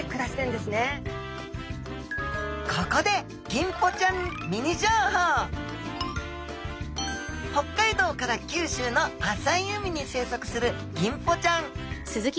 ここで北海道から九州の浅い海に生息するギンポちゃん。